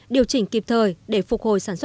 điều chỉnh kịp thời để phục hồi sản xuất nông dân